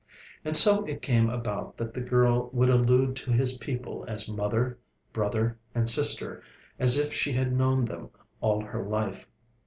And so it came about that the girl would allude to his people as mother, brother, and sister, as if she had known them all her life.